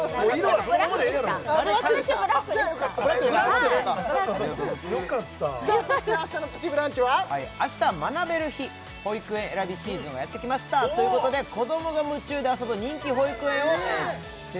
はいブラックでしたさあそしてあしたのプチブランチはあしたは学べる日保育園選びシーズンがやってきましたということで子どもが夢中で遊ぶ人気保育園をて